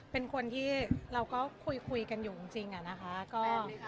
เป็นคนที่เราก็คุยคุยกันอยู่จริงจริงอ่ะนะคะก็